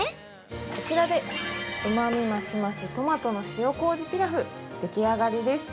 こちらで、うまみ増し増しトマトの塩こうじピラフでき上がりです。